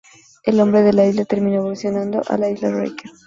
El nombre de la isla terminó evolucionando a la Isla Ryker.